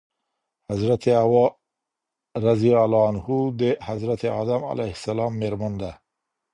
حضرت حواء رضي الله عنه د حضرت آدم عليه السلام ميرمن ده